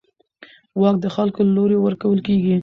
واک د خلکو له لوري ورکول کېږي